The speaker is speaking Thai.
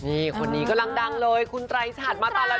นี่คนนี้ก็รังดังเลยคุณไตรชาติมาตลาดา